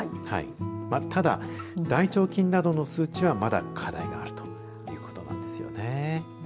ただ大腸菌などの数値はまだ課題があるということなんですよね。